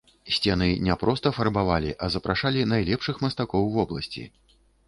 Сцены не проста фарбавалі, а запрашалі найлепшых мастакоў вобласці.